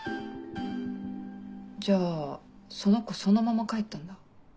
じゃあその子そのまま帰ったんだ？